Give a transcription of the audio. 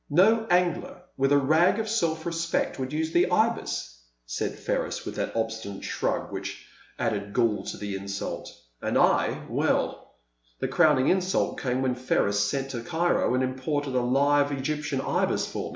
No angler with a rag of self respect would use the Ibis," said Ferris, with that obstinate shrug which added gall to the insult, and I — well, the crowning insult came when Ferris sent to Cairo and imported a live Egyptian Ibi^ for me.